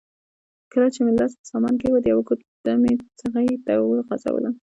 کله چې مې لاس پر سامان کېښود یوه ګوته مې څغۍ ته وغځوله.